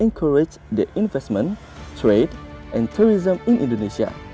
mendorong pengembangan perniagaan dan turisme di indonesia